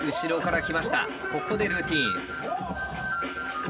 ここでルーティーン。